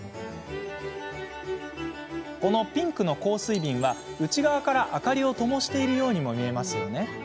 このピンクの香水瓶は内側から明かりをともしているようにも見えますよね。